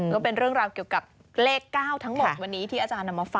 อ๋อต้องเป็นเรื่องราวเกี่ยวกับเลข๙ทั้งหมดวันนี้ที่อาจารย์มาฟัง